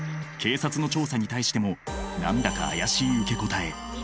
警察の調査に対しても何だか怪しい受け答え。